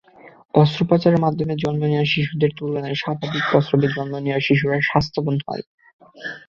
অস্ত্রোপচারের মাধ্যমে জন্ম নেওয়া শিশুদের তুলনায় স্বাভাবিক প্রসবে জন্ম নেওয়া শিশুরা স্বাস্থ্যবান হয়।